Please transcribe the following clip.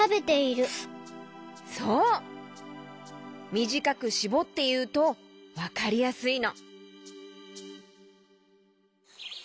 みじかくしぼっていうとわかりやすいの。